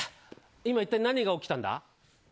今、一体何が起きたんだ。